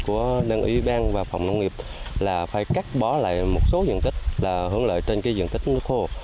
của đơn ủy ban và phòng nông nghiệp là phải cắt bỏ lại một số diện tích là hưởng lợi trên cái diện tích nước khô